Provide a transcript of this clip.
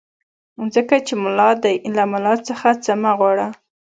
ځکه چې ملا دی له ملا څخه څه مه غواړه.